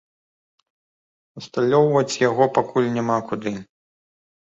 Усталёўваць яго пакуль няма куды.